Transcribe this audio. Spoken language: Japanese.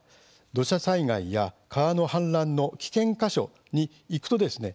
土砂災害や川の氾濫の危険箇所に行くとですね